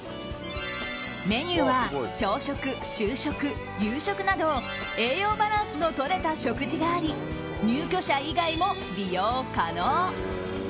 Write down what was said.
メニューは朝食、昼食、夕食など栄養バランスのとれた食事があり入居者以外も利用可能。